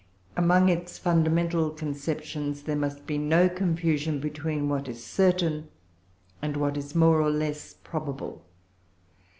Among its fundamental conceptions, there must be no confusion between what is certain and what is more or less probable.